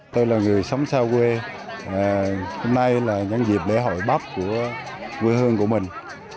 tôi là người sống xa quê hôm nay là nhân dịp lễ hội bắp của quê hương của mình